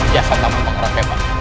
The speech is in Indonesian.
ya santa membangun rakyat pak